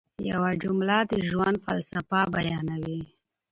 یوه جمله د ژوند فلسفه بیانوي.